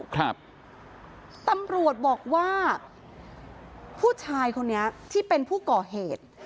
ครับตำรวจบอกว่าผู้ชายคนนี้ที่เป็นผู้ก่อเหตุ